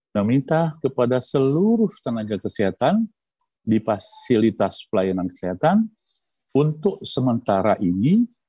meminta kepada seluruh tenaga kesehatan di fasilitas pelayanan kesehatan untuk sementara ini